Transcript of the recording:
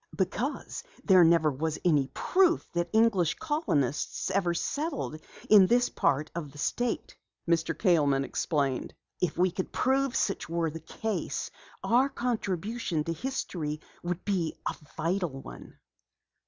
"Because there never was any proof that English colonists settled in this part of the state," Mr. Kaleman explained. "If we could prove such were the case, our contribution to history would be a vital one."